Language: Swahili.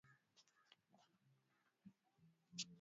nane thelathini na elfu moja Mia Tisa sitini na mbili